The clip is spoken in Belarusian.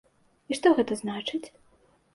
І што гэта значыць?